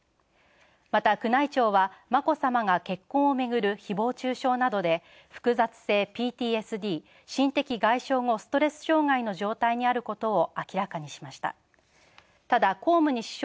また、宮内庁は眞子さまが結婚をめぐる誹謗中傷などで複雑性ＰＴＳＤ＝心的外傷後ストレス障害の状態にあることを明らかにしました。